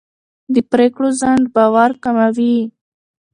د پرېکړو ځنډ باور کموي